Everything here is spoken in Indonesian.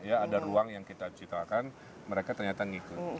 ada ruang yang kita ciptakan mereka ternyata mengikut